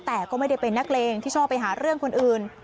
แต่ก็ไม่ได้เป็นนักเลงที่ชอบไปหาเรื่องคนอื่น